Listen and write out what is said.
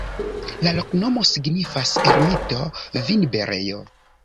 La loknomo signifas: ermito-vinberejo.